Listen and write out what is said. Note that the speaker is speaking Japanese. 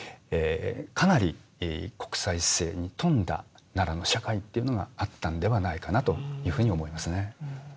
かなり国際性に富んだ奈良の社会っていうのがあったんではないかなというふうに思いますね。